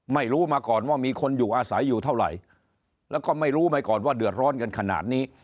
ไม่รู้มาก่อนว่ามีคนอยู่อาศัยอยู่เท่าไหร่แล้วก็ไม่รู้มาก่อนว่าเดือดร้อนกันขนาดนี้